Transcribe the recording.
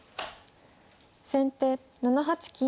先手７八金。